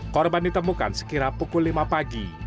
korban ditemukan sekira pukul lima pagi